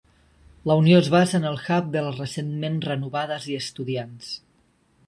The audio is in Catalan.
La Unió es basa en el Hub de les recentment renovades i Estudiants.